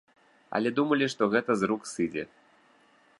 Але думалі, што гэта з рук сыдзе.